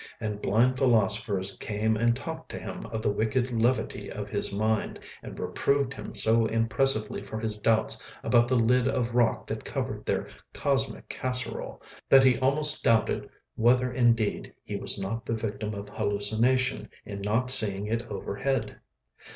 And blind philosophers came and talked to him of the wicked levity of his mind, and reproved him so impressively for his doubts about the lid of rock that covered their cosmic casserole that he almost doubted whether indeed he was not the victim of hallucination in not seeing it overhead.